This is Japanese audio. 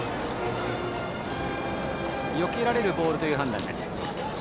よけられるボールという判断です。